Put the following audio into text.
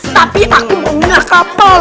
tapi aku mau minah kapal